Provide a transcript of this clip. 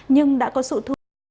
nhưng đã có sự thú vị